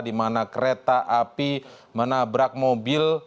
dimana kereta api menabrak mobil